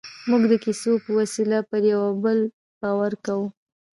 موږ د کیسو په وسیله پر یوه بل باور کوو.